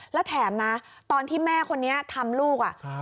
และแถมนะตอนที่แม่คนนี้ทำลูกอ่ะครับ